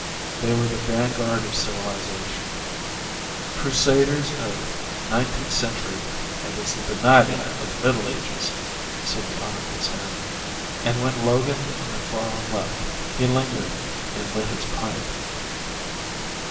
They were the vanguard of civilization "crusaders of the nineteenth century against the benighted of the Middle Ages," said the Hon. Sam, and when Logan and Macfarlan left, he lingered and lit his pipe.